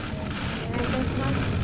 お願いいたします。